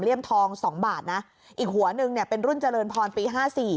ทองสองบาทนะอีกหัวนึงเนี่ยเป็นรุ่นเจริญพรปีห้าสี่